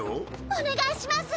お願いします。